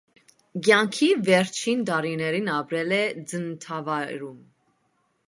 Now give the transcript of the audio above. Կյանքի վերջին տարիներին ապրել է ծննդավայրում։